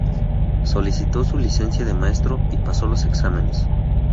Solicitó su licencia de maestro y pasó los exámenes.